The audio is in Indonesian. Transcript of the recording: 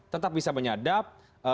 tetap bisa menyadap